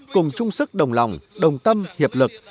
cùng chung sức đồng lòng đồng tâm hiệp lực